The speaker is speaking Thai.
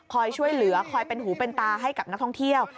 ช่วยเหลือคอยเป็นหูเป็นตาให้กับนักท่องเที่ยว